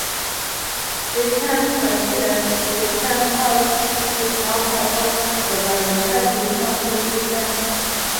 Wickham's residence, Wickham House, is now part of the Valentine Richmond History Center.